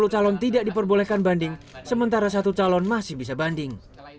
sepuluh calon tidak diperbolehkan banding sementara satu calon masih bisa banding